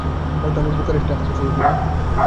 হয়তো আমি বুকারেস্টে আসতে চেয়েছিলাম।